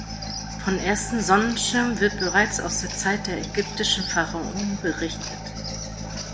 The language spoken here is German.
Von ersten Sonnenschirmen wird bereits aus der Zeit der ägyptischen Pharaonen berichtet.